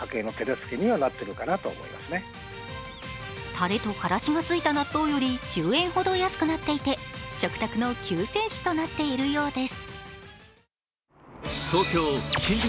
たれとからしが付いた納豆より１０円ほど安くなっていて食卓の救世主となっているようです。